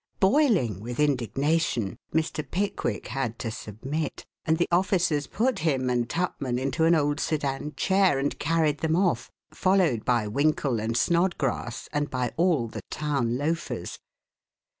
Boiling with indignation, Mr. Pickwick had to submit, and the officers put him and Tupman into an old sedan chair and carried them off, followed by Winkle and Snodgrass and by all the town loafers.